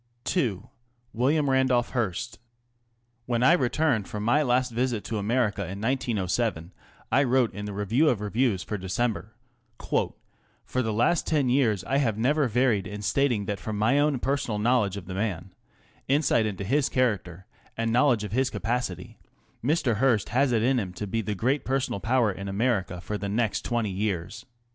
II.ŌĆö W. RANDOLPH HEARST. When I returned from my last visit to America ir 1907 I wrote in the Review of Reviews fo December, " For che last ten years I have nevei varied in stating that from my own personal know ledge of the man, insight into his character, am knowledge of his capacity, Mr. Hearst has it in hin 10 be the great personal power in America for th 1 ext twenty years.